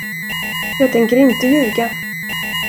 Jag tänker inte ljuga.